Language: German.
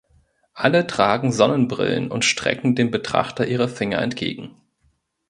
Alle tragen Sonnenbrillen und strecken dem Betrachter ihre Finger entgegen.